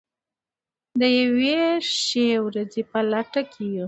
د یوې ښې ورځې په لټه کې یو.